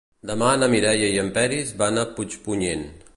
Demà na Mireia i en Peris van a Puigpunyent.